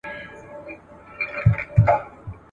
نه بارونه د چا وړې نه به نوکر یې !.